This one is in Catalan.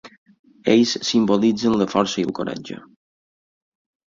Ells simbolitzen la força i el coratge.